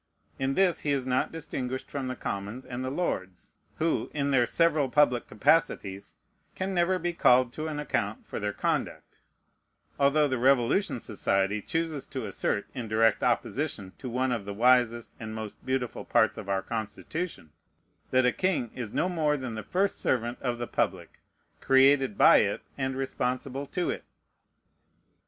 In this he is not distinguished from the commons and the lords, who, in their several public capacities, can never be called to an account for their conduct; although the Revolution Society chooses to assert, in direct opposition to one of the wisest and most beautiful parts of our Constitution, that "a king is no more than the first servant of the public, created by it, and responsible to it."